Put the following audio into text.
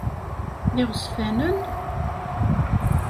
D iɣezfanen?